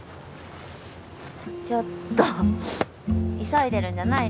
ちょっと急いでるんじゃないの？